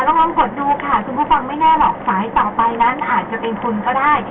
ลองกดดูค่ะคุณผู้ฟังไม่แน่หรอกสายต่อไปนั้นอาจจะเป็นคุณก็ได้